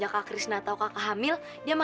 aku mau bersihin gelas kotor ini dulu ya